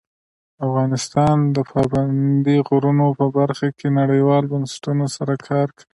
افغانستان د پابندی غرونه په برخه کې نړیوالو بنسټونو سره کار کوي.